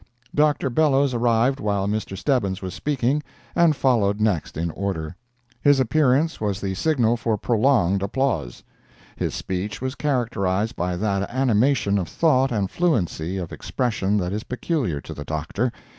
Dr. Bellows arrived while Mr. Stebbins was speaking, and followed next in order. His appearance was the signal for prolonged applause. His speech was characterized by that animation of thought and fluency of expression that is peculiar to the Doctor.